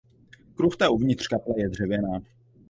Kruchta uvnitř kaple je dřevěná.